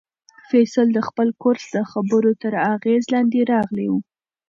فیصل د خپل کورس د خبرو تر اغېز لاندې راغلی و.